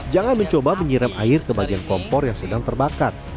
jangan mencoba menyiram air kebagian kompor yang sedang terbakar